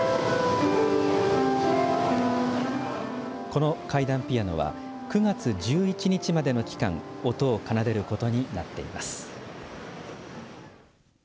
この階段ピアノは９月１１日までの期間音を奏でることになっています。